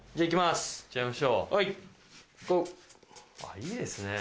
いいですね。